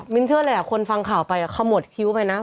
มินเที่ยวอะไรคนฟังข่าวไปขโมดคิ้วไปนะ